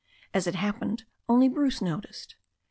As it happened, only Bruce noticed.